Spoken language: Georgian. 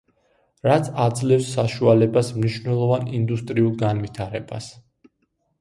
რაც აძლევს საშუალებას მნიშვნელოვან ინდუსტრიულ განვითარებას.